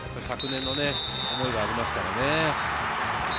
昨年の思いがありますからね。